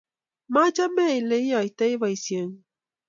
Machame ile iyoitoi poisyeng'ung'